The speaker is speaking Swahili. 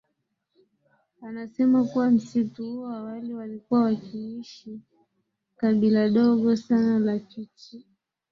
anasema kuwa msitu huo awali walikuwa wakiishi kabila dogo sana la Kichi